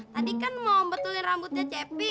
tadi kan mau embetulin rambutnya cepi